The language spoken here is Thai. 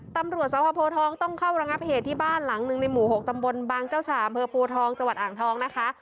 ตำร่วมศาสตร์พ่อพูดท้องต้องเข้ารังงับเหตุที่บ้านหลังนึงในหมู่หกตำบลบางเจ้าฉาเมืองพูดท้องจัวร์หอ่างท้องนะคะ